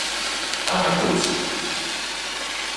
Anna Cruz